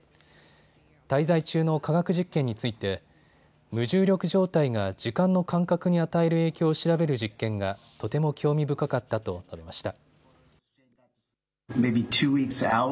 滞在中の科学実験について無重力状態が時間の感覚に与える影響を調べる実験がとても興味深かったと述べました。